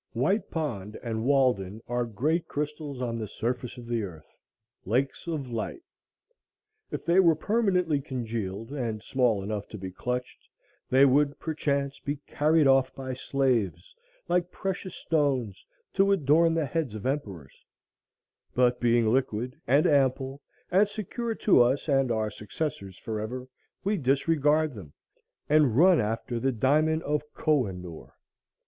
White Pond and Walden are great crystals on the surface of the earth, Lakes of Light. If they were permanently congealed, and small enough to be clutched, they would, perchance, be carried off by slaves, like precious stones, to adorn the heads of emperors; but being liquid, and ample, and secured to us and our successors forever, we disregard them, and run after the diamond of Kohinoor.